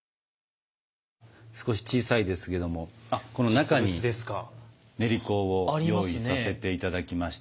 少し小さいですけどもこの中に練香を用意させて頂きました。